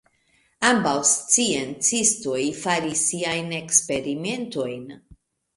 Ambaŭ sciencistoj faris siajn eksperimentojn.